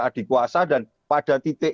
adik kuasa dan pada titik